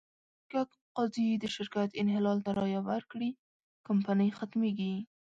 که قاضي د شرکت انحلال ته رایه ورکړي، کمپنۍ ختمېږي.